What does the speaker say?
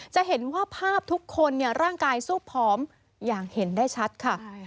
จะเห็นว่าภาพทุกคนร่างกายสู้ผอมอย่างเห็นได้ชัดค่ะ